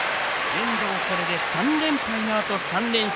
遠藤、これで３連敗のあと３連勝。